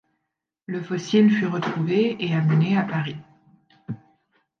Le fossile fut retrouvé et amené à Paris.